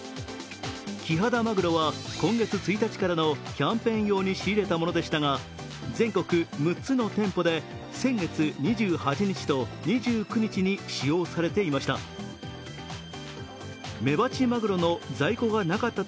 キハダマグロは今月１日からのキャンペーン用に仕入れたものでしたが、全国６つの店舗で先月２８日と２９日に使用されていました。